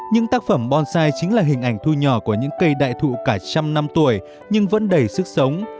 những tác phẩm bonsai chính là hình ảnh thu nhỏ của những cây đại thụ cả trăm năm tuổi nhưng vẫn đầy sức sống